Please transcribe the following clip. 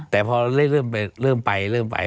แต่พอเริ่มไป